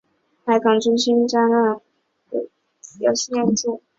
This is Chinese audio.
海港中心是加拿大卑诗省温哥华市中心一座地标性建筑。